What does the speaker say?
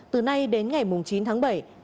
từ nay đến ngày chín tháng bảy